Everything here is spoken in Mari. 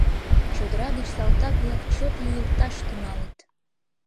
Чодыра гыч салтак-влак чот лӱйылташ тӱҥалыт.